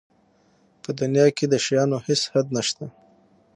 په دنیا کې د شیانو هېڅ حد نشته.